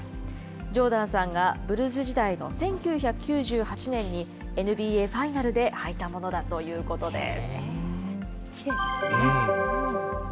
ジョーダンさんがブルズ時代の１９９８年に、ＮＢＡファイナルで履いたものだということです。